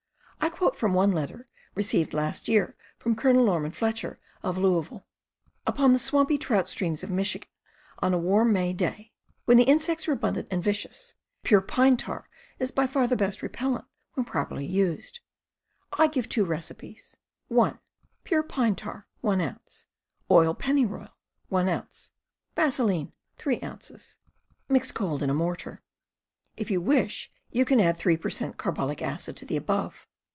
I quote from one letter, received last year from Col. Norman Fletcher of Louisville: Upon the swampy trout streams of Michigan on a warm May day ... when the insects are abundant and %acious ... Fure pine tar is by far the best repellant when properly used, give two recipes: (1) Pure pine tar 1 ounce, Oil pennyroyal 1 " Vaselin 3 ounces. Mix cold in a mortar. If you wish, you can add 3 per cent, carbolic acid to above.